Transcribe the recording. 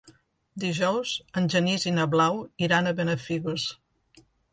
Dijous en Genís i na Blau iran a Benafigos.